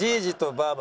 ばあば！